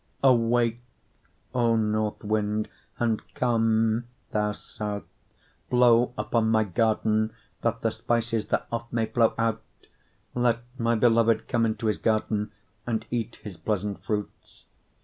4:16 Awake, O north wind; and come, thou south; blow upon my garden, that the spices thereof may flow out. Let my beloved come into his garden, and eat his pleasant fruits.